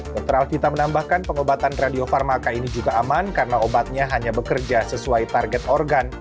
dokter alvita menambahkan pengobatan radiofarmaka ini juga aman karena obatnya hanya bekerja sesuai target organ